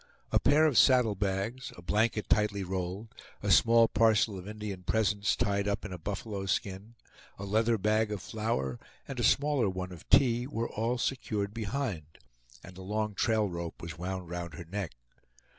A pair of saddle bags, a blanket tightly rolled, a small parcel of Indian presents tied up in a buffalo skin, a leather bag of flour, and a smaller one of tea were all secured behind, and a long trail rope was wound round her neck.